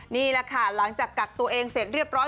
นี่แหละค่ะหลังจากกักตัวเองเสร็จเรียบร้อย